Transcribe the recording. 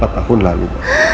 empat tahun lalu